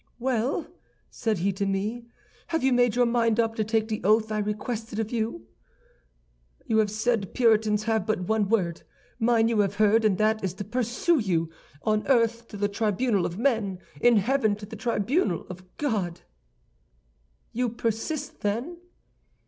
"'Well,' said he to me, 'have you made your mind up to take the oath I requested of you?' "'You have said Puritans have but one word. Mine you have heard, and that is to pursue you—on earth to the tribunal of men, in heaven to the tribunal of God.' "'You persist, then?